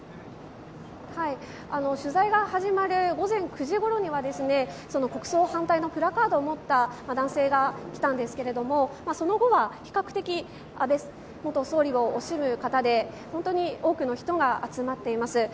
取材が始まる午前９時ごろには国葬反対のプラカードを持った男性が来たんですがその後は比較的、安倍元総理を惜しむ方で多くの人が集まっています。